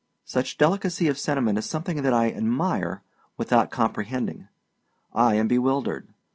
Such delicacy of sentiment is something that I admire without comprehending. I am bewildered.